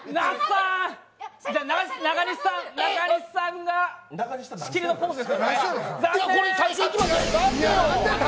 中西さんが仕切りのポーズですね、残念！